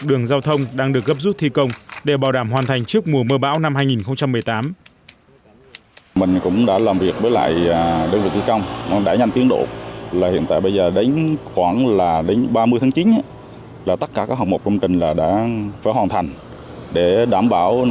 đường giao thông đang được gấp rút thi công để bảo đảm hoàn thành trước mùa mưa bão năm hai nghìn một mươi tám